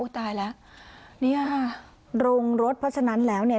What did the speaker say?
ตายแล้วเนี่ยค่ะโรงรถเพราะฉะนั้นแล้วเนี่ย